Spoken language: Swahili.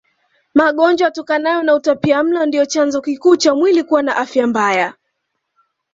Magonjwa yatokanayo na utapiamlo ndio chanzo kikuu cha mwili kuwa na afya mbaya